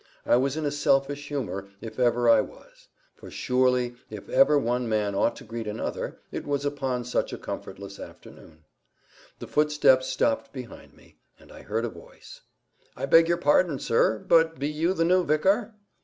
I was in a selfish humour if ever I was; for surely if ever one man ought to greet another, it was upon such a comfortless afternoon. The footsteps stopped behind me, and I heard a voice:— "I beg yer pardon, sir; but be you the new vicar?"